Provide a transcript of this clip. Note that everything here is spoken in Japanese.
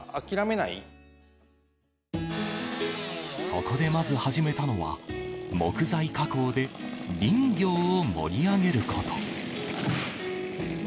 そこで、まず始めたのは木材加工で林業を盛り上げること。